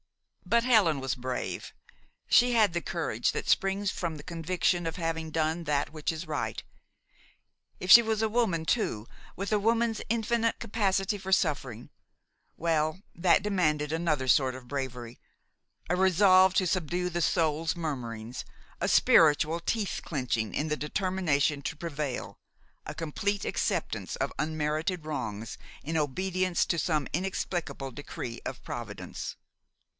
But Helen was brave. She had the courage that springs from the conviction of having done that which is right. If she was a woman too, with a woman's infinite capacity for suffering well, that demanded another sort of bravery, a resolve to subdue the soul's murmurings, a spiritual teeth clenching in the determination to prevail, a complete acceptance of unmerited wrongs in obedience to some inexplicable decree of Providence.